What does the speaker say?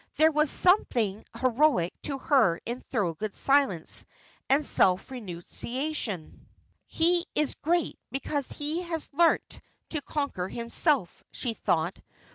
There was something heroic to her in Thorold's silence and self renunciation. "He is great because he has learnt to conquer himself," she thought.